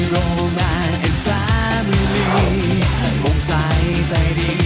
และแฟมิลี่มองใส่ใจดี